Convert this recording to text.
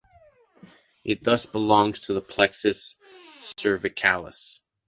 It thus belongs to the plexus cervicalis.